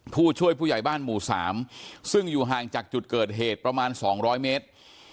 ผู้ช่วยผู้ใหญ่บ้านหมู่๓ซึ่งอยู่ห่างจากจุดเกิดเหตุประมาณ๒๐๐เมตร